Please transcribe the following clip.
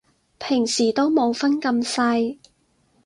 平時都冇分咁細